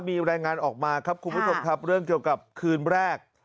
มีรายงานออกมาครับคุณผู้ชมครับเรื่องเกี่ยวกับคืนแรก